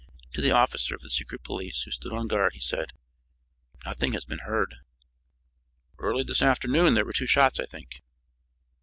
To the officer of the secret police, who stood on guard, he said: "Nothing has been heard." "Early this afternoon there were two shots, I think."